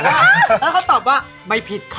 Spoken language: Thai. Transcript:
แล้วเขาตอบว่าไม่ผิดค่ะ